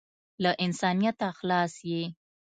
له انسانیته خلاص یې .